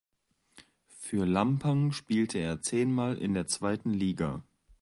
Für Lampang spielte er zehnmal in der zweiten Liga.